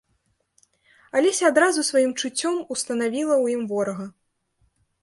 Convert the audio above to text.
Алеся адразу сваім чуццём устанавіла ў ім ворага.